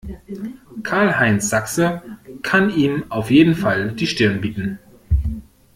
Karl-Heinz Sachse kann ihm auf jeden Fall die Stirn bieten.